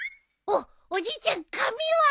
おっおじいちゃん紙は？